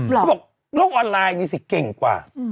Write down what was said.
เขาบอกโลกออนไลน์นี่สิเก่งกว่า